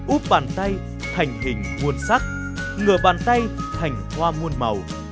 úp bàn tay thành hình nguồn sắc ngừa bàn tay thành hoa nguồn màu